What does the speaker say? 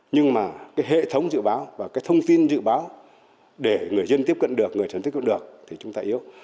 nhưng mà cái hệ thống dự báo và cái thông tin dự báo để người dân tiếp cận được người sản xuất tiếp cận được thì chúng ta yếu